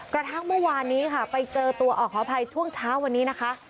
กระทั่งเมื่อวานนี้ค่ะไปเจอตัวออกขออภัยช่วงเช้าวันนี้นะคะ